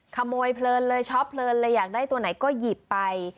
ขโมยช๊อปยากได้ตัวไหนก็หยิบไป